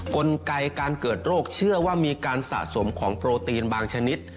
กลไกการเกิดโรคเชื่อว่ามีการสะสมของโปรตีนบางชนิด